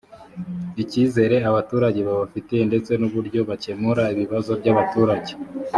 icyizere abaturage babafitiye ndetse n uburyo bakemura ibibazo by abaturage